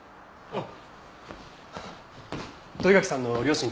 あっ！